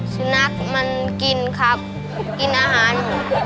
สุนัขมันกินครับกินอาหาร